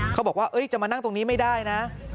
เขาบอกว่าจะมานั่งตรงนี้ไม่ได้นะ